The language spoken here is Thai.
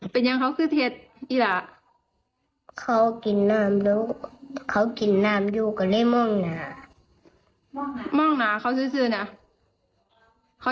เป็นอย่างเขาเค้ากินน้ำยูแกนิ้มมองหนา